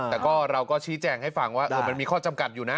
แต่ก็เราก็ชี้แจงให้ฟังว่ามันมีข้อจำกัดอยู่นะ